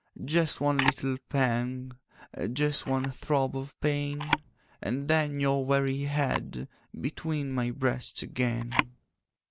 'Just one little pang, Just one throb of pain, And then your weary head Between my breasts again.